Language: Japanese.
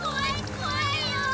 こわいよ！